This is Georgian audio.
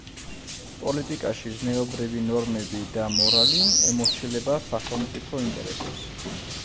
პოლიტიკაში ზნეობრივი ნორმები და მორალი ემორჩილება სახელმწიფო ინტერესებს.